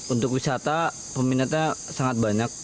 untuk wisata peminatnya sangat banyak